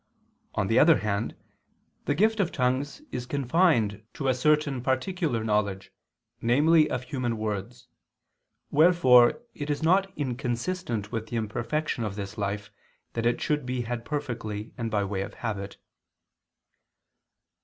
On the other hand, the gift of tongues is confined to a certain particular knowledge, namely of human words; wherefore it is not inconsistent with the imperfection of this life, that it should be had perfectly and by way of habit.